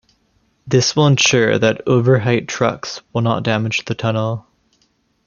This will ensure that overheight trucks will not damage the tunnel.